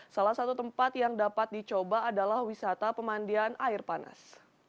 salah satu tempat yang dapat dicoba adalah wisata pemandian air panas